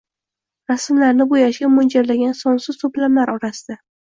Rasmlarini bo‘yashga mo‘ljallangan sonsiz to‘plamlar orasida